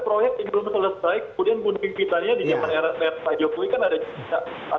kalau yang belum selesai kemudian gunting pintanya di zaman pak jokowi kan ada juga